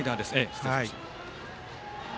失礼しました。